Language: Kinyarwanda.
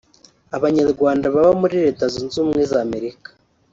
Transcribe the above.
Abanyarwanda baba muri Leta Zunze Ubumwe za Amerika